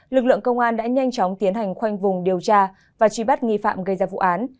lực lượng công an đã nhanh chóng tiến hành khoanh vùng điều tra và truy bắt nghi phạm gây ra vụ án